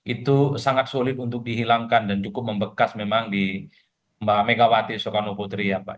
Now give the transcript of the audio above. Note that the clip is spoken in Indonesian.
itu sangat sulit untuk dihilangkan dan cukup membekas memang di mbak megawati soekarno putri ya pak